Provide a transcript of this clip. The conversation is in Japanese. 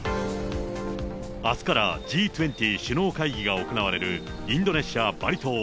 あすからＧ２０首脳会議が行われるインドネシア・バリ島。